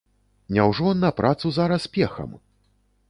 Няўжо на працу зараз пехам?